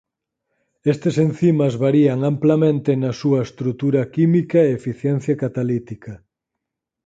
Estes encimas varían amplamente na súa estrutura química e eficiencia catalítica.